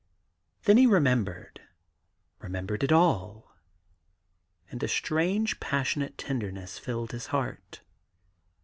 Then he remembered — remembered it all; and a strange passionate tenderness filled his heart.